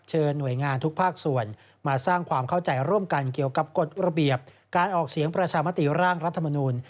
หน่วยงานทุกภาคส่วนมาสร้างความเข้าใจร่วมกันเกี่ยวกับกฎระเบียบการออกเสียงประชามติร่างรัฐมนูล